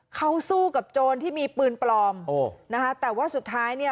เขาสู้กับโจรที่มีปืนปลอมโอ้นะคะแต่ว่าสุดท้ายเนี่ย